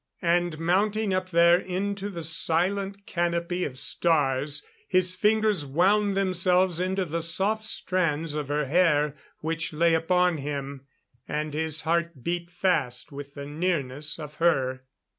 And mounting up there into the silent canopy of stars, his fingers wound themselves into the soft strands of her hair which lay upon him; and his heart beat fast with the nearness of her....